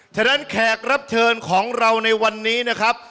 ฉะนั้นแขกรับเชิญของเราในวันนี้นะครับ